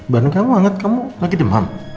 bantuan kamu anget kamu lagi demam